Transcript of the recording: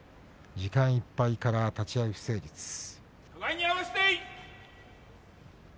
時間いっぱいから立ち合い不成立です。。